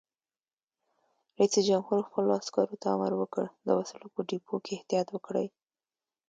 رئیس جمهور خپلو عسکرو ته امر وکړ؛ د وسلو په ډیپو کې احتیاط وکړئ!